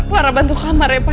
wahara bantu kamar ya pak